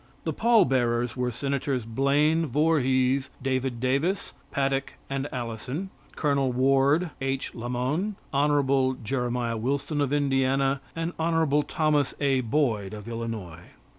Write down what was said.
The pall bearers were Senators Blaine, Vorhees, David Davis, Paddock and Allison, Col. Ward, H. Lamon, Hon. Jeremiah Wilson of Indiana, and Hon. Thomas A. Boyd of Illinois.